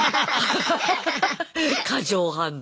過剰反応。